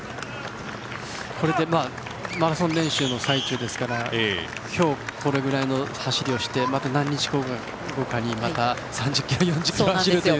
マラソン練習の最中ですから今日これくらいの走りをしてまた何日後かにまた３０ｋｍ、４０ｋｍ走るという。